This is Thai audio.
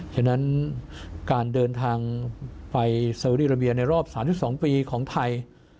ฉะนั้นการเดินทางไปเซรีราเบียในรอบ๓๒ปีของไทย